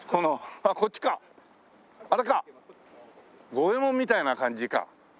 五右衛門みたいな感じか。